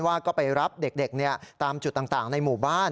ว่าก็ไปรับเด็กตามจุดต่างในหมู่บ้าน